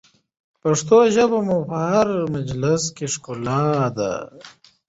پښتو ژبه مو په هر مجلس کې ښکلا ده.